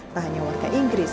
tak hanya warga inggris